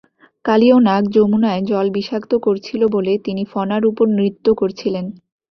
কালীয় নাগ যমুনায় জল বিষাক্ত করছিল বলে তিনি ফণার উপর নৃত্য করছিলেন।